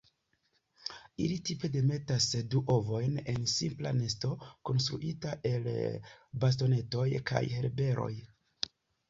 Ili tipe demetas du ovojn en simpla nesto konstruita el bastonetoj kaj herberoj.